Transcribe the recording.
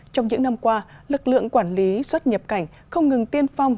trong những năm qua lực lượng quản lý xuất nhập cảnh không ngừng tiên phong